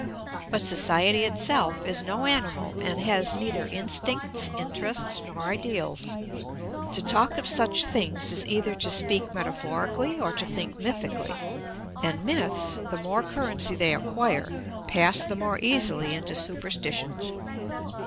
But society itself is no animal and has neither instincts, interests, nor ideals. To talk of such things is either to speak metaphorically or to think mythically; and myths, the more currency they acquire, pass the more easily into superstitions.